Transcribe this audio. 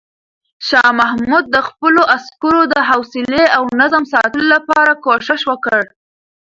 شاه محمود د خپلو عسکرو د حوصلې او نظم ساتلو لپاره کوښښ وکړ.